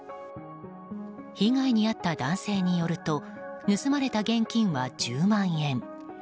被害に遭った男性によると盗まれた現金は１０万円。